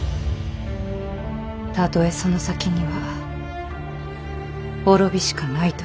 たとえその先には滅びしかないとしても。